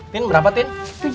tin berapa tin